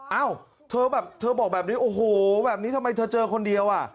เอ้าเธอแบบเธอบอกแบบนี้โอ้โหแบบนี้ทำไมเธอเจอคนเดียวอ่ะ